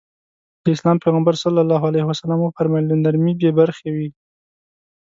د اسلام پيغمبر ص وفرمايل له نرمي بې برخې وي.